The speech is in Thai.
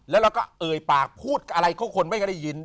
แล้วเราก็เอ่ยปากพูดอะไรคนไม่ได้ยิน